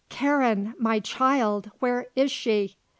Karen! My child! Where is she!"